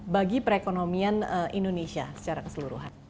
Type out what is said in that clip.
bagi perekonomian indonesia secara keseluruhan